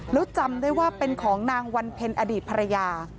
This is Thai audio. แล้วจำได้ว่าเป็นของนางวันเพ็ญอดีตภรรยา